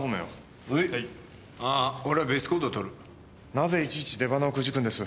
なぜいちいち出鼻をくじくんです。